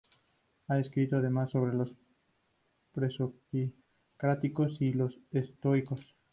Ha escrito, además, sobre los presocráticos y los estoicos.